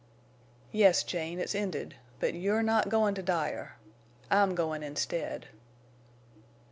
"Yes, Jane, it's ended—but you're not goin' to Dyer!... _I'm goin' instead!